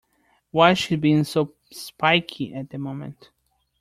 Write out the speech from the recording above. Why's she being so spiky at the moment?